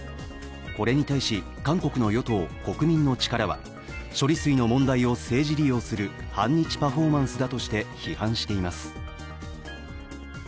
これに対し、韓国の与党・国民の力は処理水の問題を政治利用する反日パフォーマンスだとして批判しています。